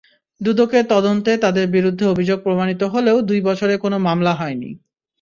দুদকের তদন্তে তাঁদের বিরুদ্ধে অভিযোগ প্রমাণিত হলেও দুই বছরে কোনো মামলা হয়নি।